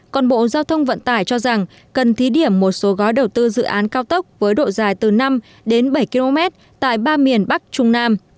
còn bộ giao thông vận tải cho rằng cần thí điểm một số gói đầu tư dự án cao tốc với độ dài từ năm đến bảy km tại ba miền bắc trung nam